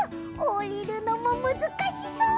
おりるのもむずかしそう！